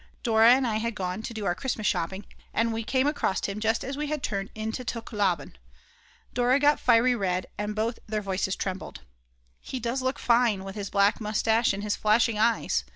Dora and I had gone to do our Christmas shopping, and we came across him just as we had turned into Tuchlauben. Dora got fiery red, and both their voices trembled. He does look fine, with his black moustache and his flashing eyes!